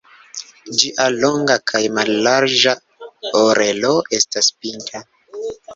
Ĝia longa kaj mallarĝa orelo estas pinta.